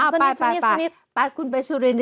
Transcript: ไปไปไปไปซิว่านี่ไปคุณไปสุรินต์